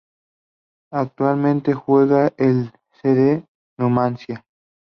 Actualmente juega en el C. D. Numancia.